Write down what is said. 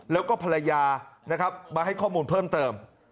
แล้วก็ภรรยานะครับมาให้ข้อมูลเพิ่มเติม